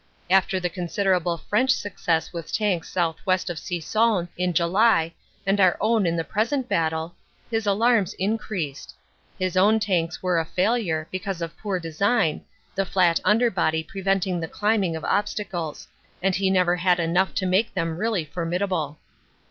After the considerable French success with tanks southwest of Soissons in July and our own in the present battle, his alarms increased. His own tanks were a failure, because of poor design, the flat underbody preventing the climbing of obstacles. And he never had enough to make them really formidable.